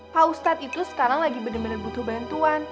pak ustadz itu sekarang lagi bener bener butuh bantuan